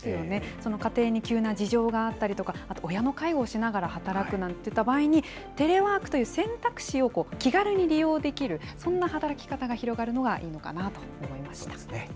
その家庭に急な事情があったりとか、あと親の介護をしながら働くなんていった場合に、テレワークという選択肢を気軽に利用できる、そんな働き方が広がるのがいいのそうですね。